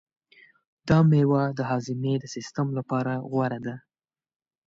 دا مېوه د هاضمې د سیستم لپاره غوره ده.